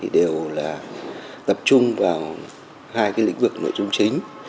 đều là tập trung vào hai lĩnh vực nội dung chính